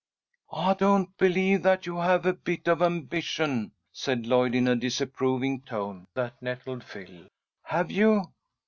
"I don't believe that you have a bit of ambition," said Lloyd, in a disapproving tone that nettled Phil. "Have you?"